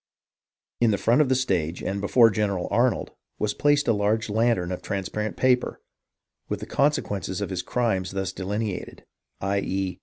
" In the front of the stage, and before General Arnold, was placed a large lantern of transparent paper, with the consequences of his crimes thus delineated, i.e.